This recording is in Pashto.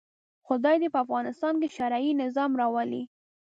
خدای دې په افغانستان کې شرعي نظام راولي.